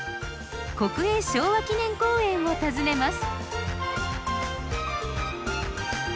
国営昭和記念公園を訪ねます。